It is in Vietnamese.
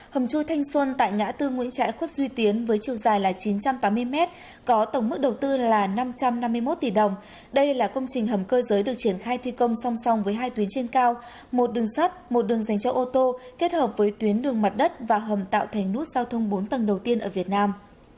hầm chui thanh xuân tại ngã tư nguyễn trãi khuất duy tiến với chiều dài là chín trăm tám mươi m có tổng mức đầu tư là năm trăm năm mươi một tỷ đồng đây là công trình hầm cơ giới được triển khai thi công song song với hai tuyến trên cao một đường sắt một đường dành cho ô tô kết hợp với tuyến đường mặt đất và hầm tạo thành nút giao thông bốn tầng đầu tiên ở việt nam